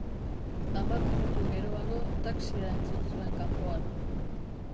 Hamar minutu geroago taxia entzun zuen kanpoan.